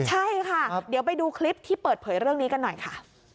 ใช่ค่ะเดี๋ยวไปดูคลิปที่เปิดเผยเรื่องนี้กันหน่อยค่ะ